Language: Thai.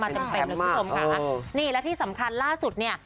เต็มเต็มเลยคุณผู้ชมค่ะนี่และที่สำคัญล่าสุดเนี่ย